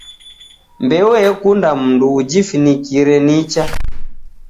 Mbeo yekunda mundu ujifinikire nicha.